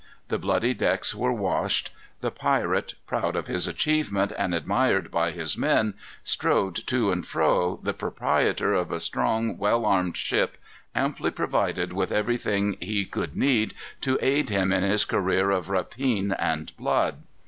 The bloody decks were washed. The pirate, proud of his achievement, and admired by his men, strode to and fro, the proprietor of a strong, well armed ship, amply provided with everything he could need to aid him in his career of rapine and blood.